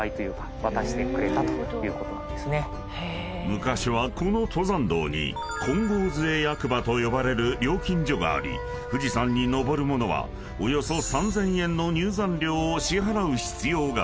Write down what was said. ［昔はこの登山道に金剛杖役場と呼ばれる料金所があり富士山に登る者はおよそ３，０００円の入山料を支払う必要が］